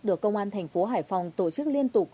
được công an thành phố hải phòng tổ chức liên tục